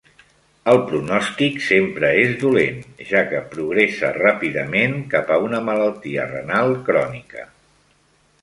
El pronòstic sempre és dolent, ja que progressa ràpidament cap a una malaltia renal crònica.